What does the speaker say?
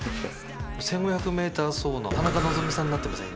１５００ｍ走の田中希実さんになってません？